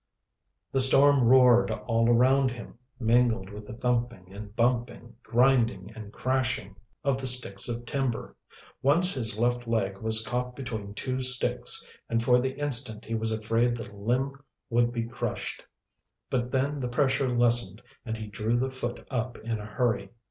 The storm roared all around him, mingled with the thumping and bumping, grinding and crashing, of the sticks of timber. Once his left leg was caught between two sticks, and for the instant he was afraid the limb would be crushed. But then the pressure lessened and he drew the foot up in a hurry.